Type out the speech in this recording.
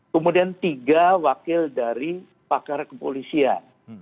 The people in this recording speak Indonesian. kemudian tiga wakil dari pakar kepolisian